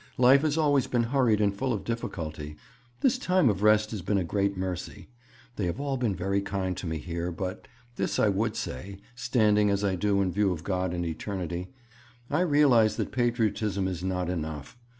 Life has always been hurried and full of difficulty. This time of rest has been a great mercy. They have all been very kind to me here. But this I would say, standing as I do in view of God and eternity, I realize that patriotism is not enough.